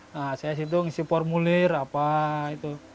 nah saya disitu ngisi formulir apa gitu